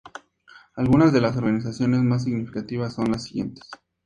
Algunas de las organizaciones más significativas son las siguientes.